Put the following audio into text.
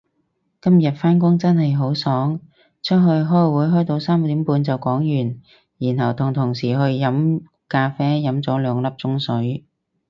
今日返工真係好爽，出去開會開到三點半就講完，然後同同事去咗飲咖啡吹咗兩粒鐘水